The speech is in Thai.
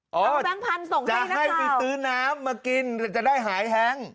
อ๋อจะให้ไปซื้อน้ำมากินจะได้หายแฮง